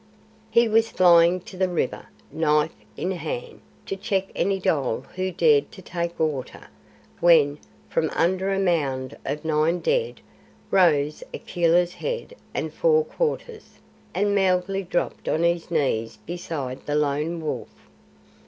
He was flying to the river, knife in hand, to check any dhole who dared to take water, when, from under a mound of nine dead, rose Akela's head and fore quarters, and Mowgli dropped on his knees beside the Lone Wolf.